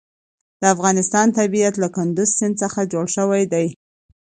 د افغانستان طبیعت له کندز سیند څخه جوړ شوی دی.